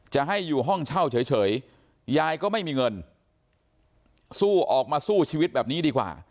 จะให้อยู่ห้องเช่าเฉยยายก็ไม่มีเงินสู้ออกมาสู้ชีวิตแบบนี้ดีกว่า